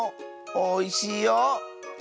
おいしいよ！